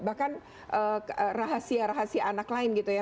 bahkan rahasia rahasia anak lain gitu ya